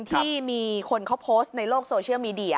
ที่มีคนเขาโพสต์ในโลกโซเชียลมีเดีย